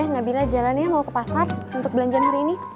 nabilah jalan ya mau ke pasar untuk belanjaan hari ini